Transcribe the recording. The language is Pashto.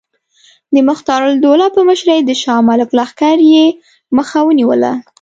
د مختارالدوله په مشرۍ د شجاع الملک لښکر یې مخه ونیوله.